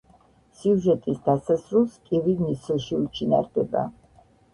სიუჟეტის დასასრულს კივი ნისლში უჩინარდება.